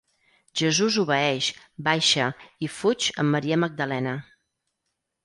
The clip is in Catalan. Jesús obeeix, baixa i fuig amb Maria Magdalena.